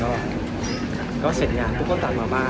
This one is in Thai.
แล้วก็เสร็จงานพวกมันตามมาบ้าน